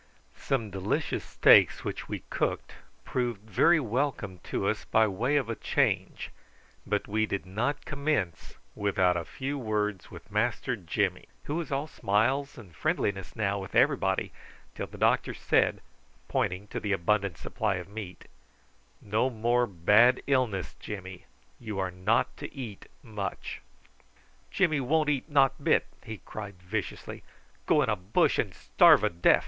Some delicious steaks which we cooked proved very welcome to us by way of a change, but we did not commence without a few words with Master Jimmy, who was all smiles and friendliness now with everybody, till the doctor said, pointing to the abundant supply of meat: "No more bad illness, Jimmy. You are not to eat much." "Jimmy won't eat not bit!" he cried viciously. "Go in a bush and starve a deff."